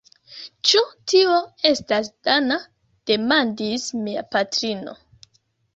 Ĉu tio estas dana? demandis mia patrino.